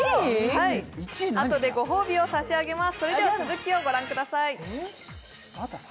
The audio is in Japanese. あとでごほうびを差し上げます。